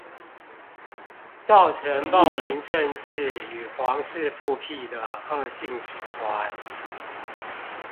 造成暴民政治與皇室復辟的惡性循環